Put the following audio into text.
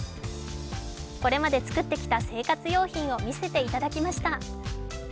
これまで作ってきた生活用品を見せていただきました。